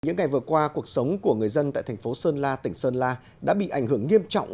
những ngày vừa qua cuộc sống của người dân tại thành phố sơn la tỉnh sơn la đã bị ảnh hưởng nghiêm trọng